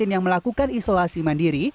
yang melakukan isolasi mandiri